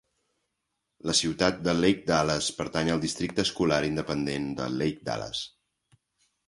La ciutat de Lake Dallas pertany al districte escolar independent de Lake Dallas.